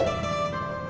dan kamu berdua